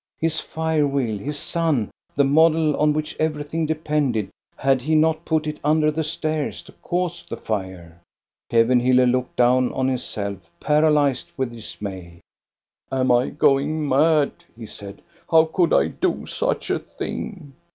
His fire wheel, his sun, the model on which everything depended, had he not put it under the stairs to cause the fire ? Kevenhiiller looked down on himself, paralyzed with dismay. " Am I going mad ?" he said. " How could I do such a thing